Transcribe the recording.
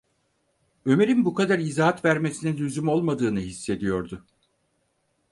Ömer’in bu kadar izahat vermesine lüzum olmadığını hissediyordu.